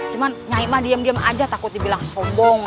cuma nyai mah diam diam aja takut dibilang sombong